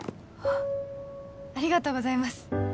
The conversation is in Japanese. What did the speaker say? ありがとうございます